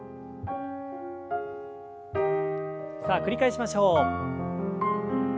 さあ繰り返しましょう。